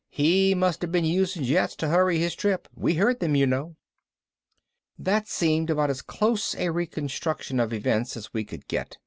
"He must have been using jets to hurry his trip. We heard them, you know." That seemed about as close a reconstruction of events as we could get.